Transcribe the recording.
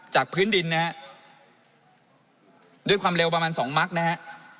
พื้นดินนะฮะด้วยความเร็วประมาณสองมักนะฮะ